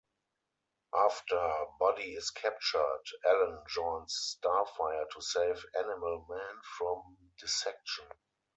After Buddy is captured, Ellen joins Starfire to save Animal Man from dissection.